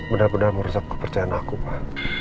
benar benar merusak kepercayaan aku pak